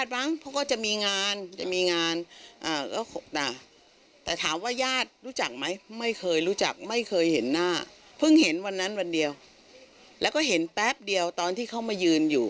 เดินหลงเข้ามาเนี้ยและทีนี้ก็อ้าว